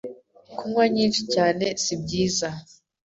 Kunywa nyinshi cyane si byiza